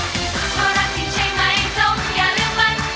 เพราะรักจริงใช่ไหมต้องอย่าลืมมัน